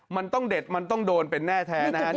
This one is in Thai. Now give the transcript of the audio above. มันต้องเด็ดมันต้องโดนเป็นแน่แท้นะครับ